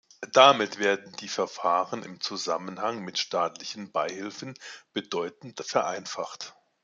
Damit werden die Verfahren im Zusammenhang mit staatlichen Beihilfen bedeutend vereinfacht.